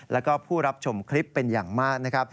แล้วก็ผู้รับชมคลิปเป็นอย่างมากนะครับ